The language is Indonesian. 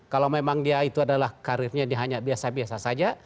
kalau memang dia itu adalah karirnya dia hanya biasa biasa saja